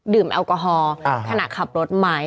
แอลกอฮอล์ขณะขับรถไหม